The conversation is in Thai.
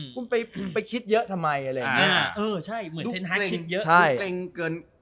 คุณไปคิดเยอะทำไมอะไรอย่างเงี้ยเออใช่เหมือนเท้นฮาร์ดคิดเยอะใช่